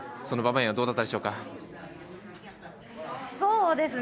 その場面はどうだったでしょうか？